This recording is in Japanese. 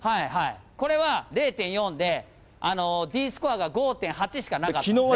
これは０．４で、Ｄスコアが５．８しかなかったのね。